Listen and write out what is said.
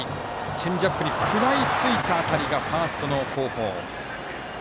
チェンジアップに食らいついた当たりがファーストの後方。